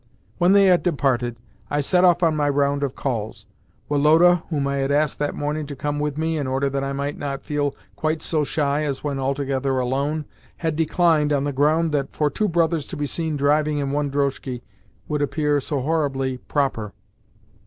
When they had departed, I set off on my round of calls. Woloda, whom I had asked that morning to come with me, in order that I might not feel quite so shy as when altogether alone, had declined on the ground that for two brothers to be seen driving in one drozhki would appear so horribly "proper."